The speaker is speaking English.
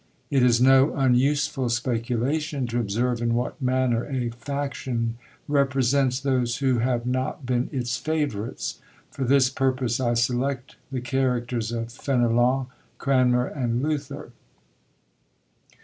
It is no unuseful speculation to observe in what manner a faction represents those who have not been its favourites: for this purpose I select the characters of Fenelon, Cranmer, and Luther.